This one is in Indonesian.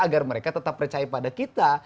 agar mereka tetap percaya pada kita